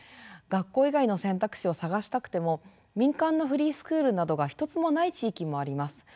学校以外の選択肢を探したくても民間のフリースクールなどが一つもない地域もあります。